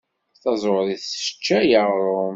Taẓuri tesseččay aɣrum.